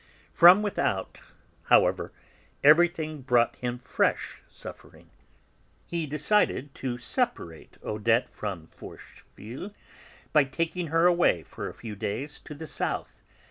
From without, however, everything brought him fresh suffering. He decided to separate Odette from Forcheville, by taking her away for a few days to the south.